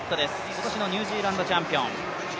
今年のニュージーランドチャンピオン。